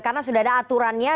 karena sudah ada aturannya